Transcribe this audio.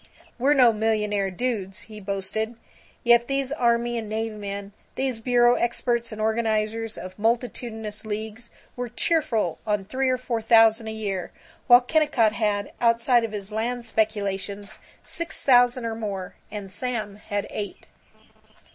"We're no millionaire dudes," he boasted. Yet these army and navy men, these bureau experts, and organizers of multitudinous leagues, were cheerful on three or four thousand a year, while Kennicott had, outside of his land speculations, six thousand or more, and Sam had eight.